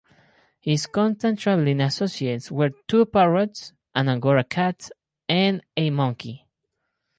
His constant travelling-associates were two parrots, an Angora cat, and a monkey.